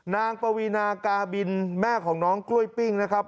ปวีนากาบินแม่ของน้องกล้วยปิ้งนะครับ